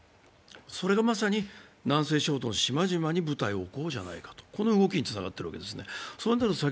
それがまさに南西諸島の島々に部隊を置こうじゃないかという動きにつながっているわけです。